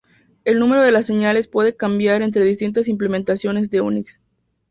El número de las señales puede cambiar entre distintas implementaciones de Unix.